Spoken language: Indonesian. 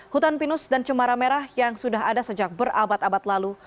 hutan pinus dan cemara merah yang sudah ada sejak berabad abad lalu